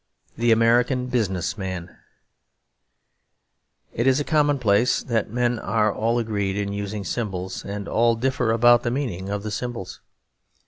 The American Business Man It is a commonplace that men are all agreed in using symbols, and all differ about the meaning of the symbols.